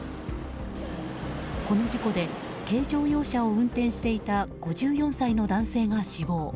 この事故で軽乗用車を運転していた５４歳の男性が死亡。